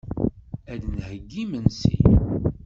Ad d-nheyyi imensi.